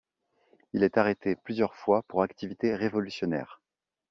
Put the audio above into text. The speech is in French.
Il est arrêté plusieurs fois pour activité révolutionnaire.